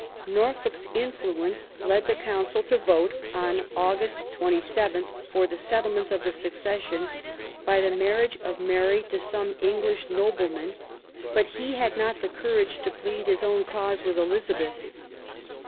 Norfolk's influence led the Council to vote, on August 27, for the settlement of the succession by the marriage of Mary to some English nobleman ; but he had not the courage to plead his own cause with Elizabeth.